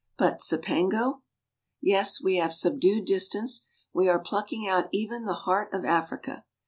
But Cipango ! Yes; we have subdued distance, we are plucking out even the heart of Africa.